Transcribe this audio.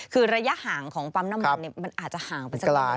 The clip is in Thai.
คือระยะห่างของปั๊มน้ำมันมันอาจจะห่างไปสักน้อย